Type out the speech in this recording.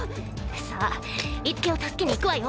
さあ樹を助けに行くわよ。